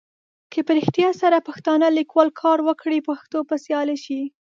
که په رېښتیا سره پښتانه لیکوال کار وکړي پښتو به سیاله سي.